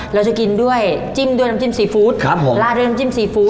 เราจะกินด้วยจิ้มด้วยน้ำจิ้มซีฟู้ดครับผมลาดด้วยน้ำจิ้มซีฟู้ด